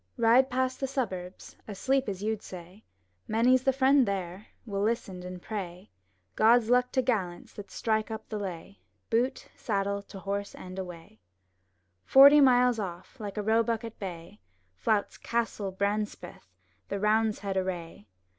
Ride past the suburbs, asleep as you'd say; Many's the friend there, will listen and pray 'God's luck to gallants that strike up the lay — Boot, saddle, to horse, and awayP^ Forty miles off, like a roebuck at bay, Flouts Castle Brancepeth the Roundheads array!